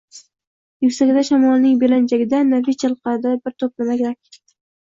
Yuksakda shamolning belanchagida, Nafis chayqaladi bir to`p na`matak